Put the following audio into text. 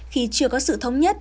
khi chưa có sự thống nhất